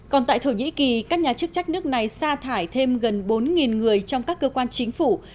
còn tại thổ nhĩ kỳ các nhà chức trách nước này xa thải thêm gần bốn người trong các cơ quan chính phủ